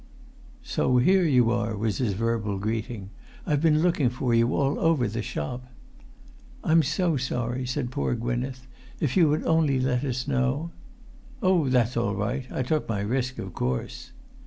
"So here you are!" was his verbal greeting: "I've been looking for you all over the shop." "I'm so sorry," said poor Gwynneth. "If you had only let us know——" "Oh, that's all right; I took my risk, of course."